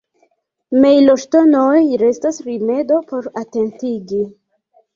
Mejloŝtonoj restas rimedo por atentigi.